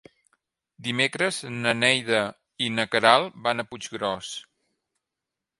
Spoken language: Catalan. Dimecres na Neida i na Queralt van a Puiggròs.